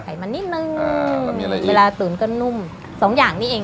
ไมันนิดนึงเวลาตุ๋นก็นุ่มสองอย่างนี้เอง